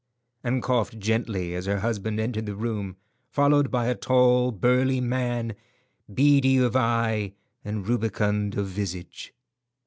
and coughed gently as her husband entered the room, followed by a tall, burly man, beady of eye and rubicund of visage.